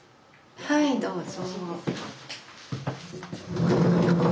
はいどうぞ。